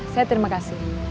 saya terima kasih